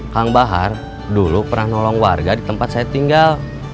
kang bahar dulu pernah nolong warga di tempat saya tinggal